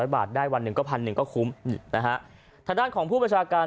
บาทได้วันหนึ่งก็พันหนึ่งก็คุ้มนะฮะทางด้านของผู้ประชาการ